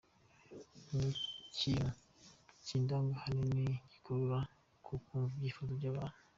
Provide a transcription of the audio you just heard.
Iki kintu kindanga ahanini ngikura ku kumva ibyifuzo by’abantu.